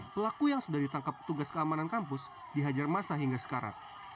pelaku yang sudah ditangkap tugas keamanan kampus dihajar masa hingga sekarang